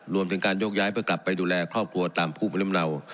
รวมถึงการยกย้ายเพื่อกลับไปดูแลครอบครัวตามภูมิลำเนา